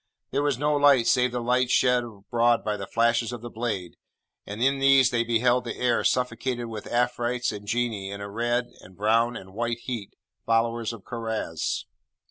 There was no light save the light shed abroad by the flashes of the blade, and in these they beheld the air suffocated with Afrites and Genii in a red and brown and white heat, followers of Karaz.